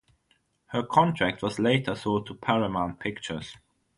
Her contract was later sold to Paramount Pictures.